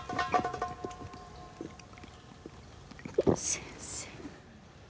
先生。